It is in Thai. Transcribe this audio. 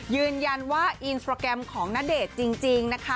ยืนยันว่าอินสตราแกรมของณเดชน์จริงนะคะ